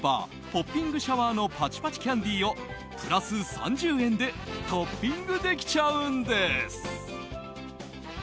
ポッピングシャワーのパチパチキャンディをプラス３０円でトッピングできちゃうんです。